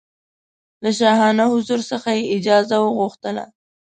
له شاهانه حضور څخه یې اجازه وغوښتله.